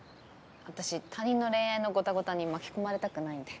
私他人の恋愛のゴタゴタに巻き込まれたくないんで。